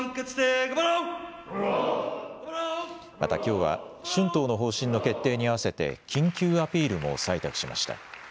またきょうは春闘の方針の決定に合わせて緊急アピールも採択しました。